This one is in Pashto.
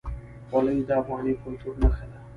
خولۍ د افغاني کلتور نښه ده.